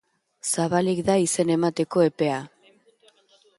Zabalik da izen emateko epea.